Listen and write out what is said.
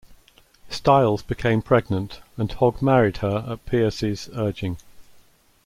Styles became pregnant, and Hogg married her at Pearcey's urging.